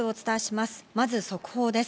まず速報です。